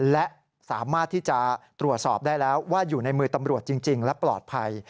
และสามารถที่จะตรวจสอบได้แล้วว่าอยู่ในมือตำรวจจริงและปลอดภัย